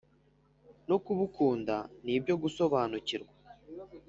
no kubukunda ni byo gusobanukirwa.